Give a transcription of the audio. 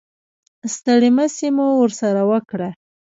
ستړې مسې مو ورسره وکړه.